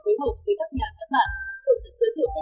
đối hợp với các nhà xuất mạng tổ chức